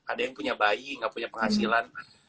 ada yang punya bayi gak punya penghasilan